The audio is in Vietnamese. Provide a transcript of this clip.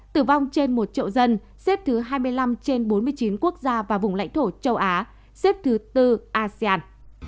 tử vong trên một triệu dân xếp thứ hai mươi năm trên bốn mươi chín quốc gia và vùng lãnh thổ châu á xếp thứ tư asean